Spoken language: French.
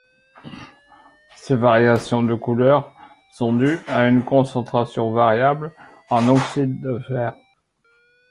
Ces variations de couleur sont dues à une concentration variable en oxydes de fer.